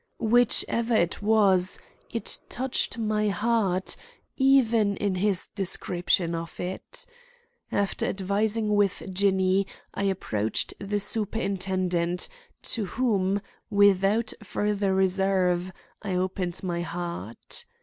Whichever it was, it touched my heart, even in his description of it. After advising with Jinny I approached the superintendent, to whom, without further reserve, I opened my heart.